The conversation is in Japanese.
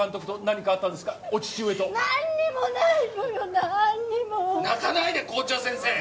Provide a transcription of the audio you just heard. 泣かないで校長先生！